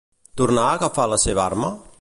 Tornà a agafar la seva arma?